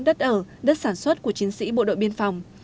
đất ở đất sản xuất của chiến sĩ bộ đội biên phòng